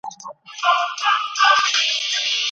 ایا علم کولای سي ټول قوانین کشف کړي؟